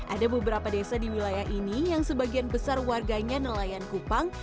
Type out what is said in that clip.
ada beberapa desa di wilayah ini yang sebagian besar warganya nelayan kupang